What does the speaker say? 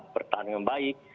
polisi tetap bertahan dengan baik